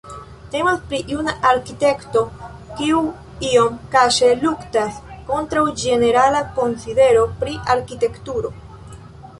Temas pri juna arkitekto kiu iom kaŝe luktas kontraŭ ĝenerala konsidero pri arkitekturo.